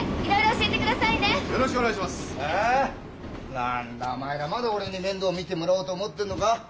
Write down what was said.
何だお前らまだ俺に面倒見てもらおうと思ってんのか？